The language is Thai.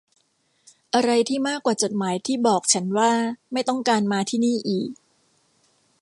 อะไรที่มากกว่าจดหมายที่บอกฉันว่าไม่ต้องการมาที่นี่อีก